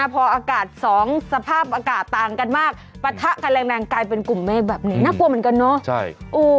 พออากาศ๒สภาพอากาศต่างกันมากปะทะกันแรงกลายเป็นกลุ่มเมฆแบบนี้น่ากลัวเหมือนกันเนอะ